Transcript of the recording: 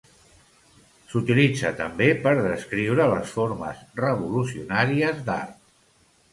S'utilitza també per descriure les formes revolucionàries d'art.